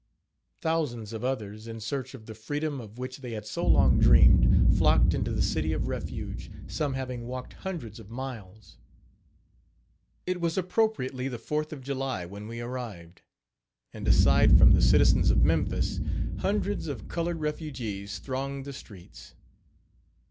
Thousands of others, in search of the freedom of which they had so long dreamed, flocked into the city of refuge, some having walked hundreds of miles. It was appropriately the 4th of July when we arrived; and, aside from the citizens of Memphis, hundreds of colored refugees thronged the streets.